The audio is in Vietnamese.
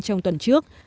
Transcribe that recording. trong tuần trước